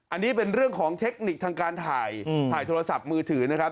อันนี้เป็นเรื่องของเทคนิคทางการถ่ายถ่ายโทรศัพท์มือถือนะครับ